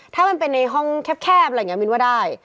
ถ้ามันเป็นในห้องแคบอะไรอย่างนี้มินว่าได้